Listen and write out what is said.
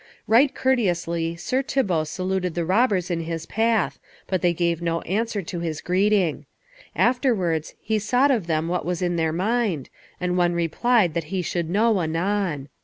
Right courteously Sir Thibault saluted the robbers in his path, but they gave no answer to his greeting. Afterwards he sought of them what was in their mind, and one replied that he should know anon.